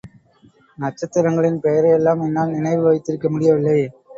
நட்சத்திரங்களின் பெயரையெல்லாம் என்னால் நினைவு வைத்திருக்க முடியவில்லை.